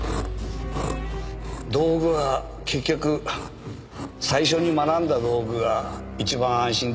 道具は結局最初に学んだ道具が一番安心出来ますからね。